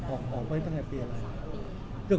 ออกไว้ตั้งแต่ปีอะไร